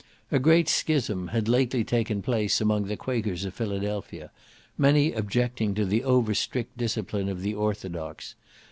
A great schism had lately taken place among the Quakers of Philadelphia; many objecting to the over strict discipline of the orthodox.